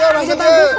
iya masuk ya masuk ya